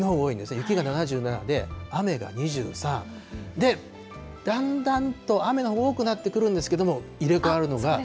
雪が７７で、雨が２３、で、だんだんと雨のほうが多くなってくるんですけれども、入れかわるのが。